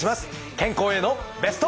健康へのベスト。